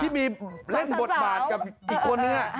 ที่มีเล่นบทบาทกับอีกคนนึง